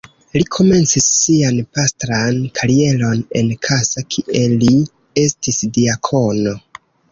Li komencis sian pastran karieron en Kassa, kie li estis diakono.